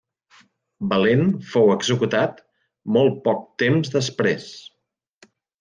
Valent fou executat molt poc temps després.